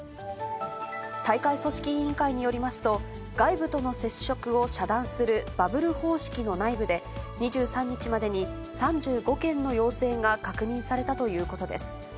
大会組織委員会によりますと、外部との接触を遮断するバブル方式の内部で、２３日までに３５件の陽性が確認されたということです。